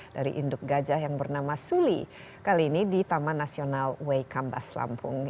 dari induk gajah yang bernama suli kali ini di taman nasional weikambas lampung